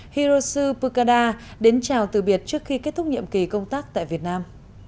hiroshi pukada đến chào từ biệt trước khi kết thúc nhiệm kỳ công tác tại việt nam